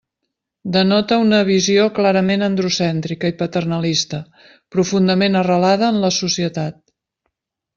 Denota una visió clarament androcèntrica i paternalista profundament arrelada en la societat.